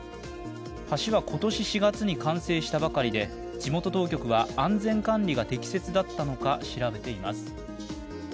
橋は今年４月に完成したばかりで地元当局は安全管理が適切だったのか調べています。